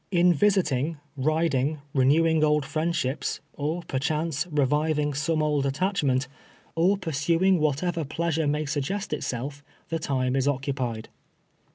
In visiting, riding, renew ing old friendships, or, perchance, reviving some old attachment, or pursuing whatever pleasure may sug gest itself, the time is occupied.